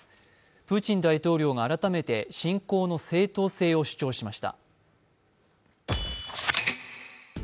プーチン大統領が改めて侵攻の正当性を主張しました。